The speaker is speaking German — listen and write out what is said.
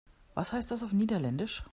Was heißt das auf Niederländisch?